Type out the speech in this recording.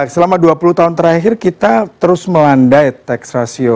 selama dua puluh tahun terakhir kita terus melandai tax ratio